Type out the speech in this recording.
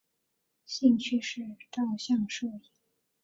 兴趣是照相摄影。